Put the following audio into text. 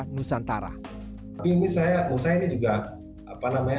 hal hal inilah yang akan menjadi tantangan tersendiri untuk pemerintahan negara